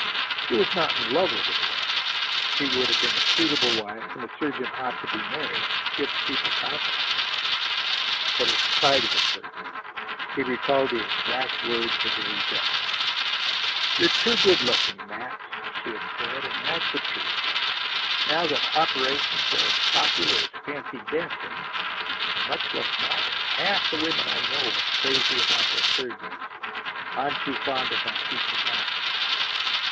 He was not in love with the girl, she would have been a suitable wife, and a surgeon ought to be married; it gives people confidence, but his pride was hurt. He recalled the exact words of the rejection. "You're too good looking, Max," she had said, "and that's the truth. Now that operations are as popular as fancy dancing, and much less bother, half the women I know are crazy about their surgeons. I'm too fond of my peace of mind."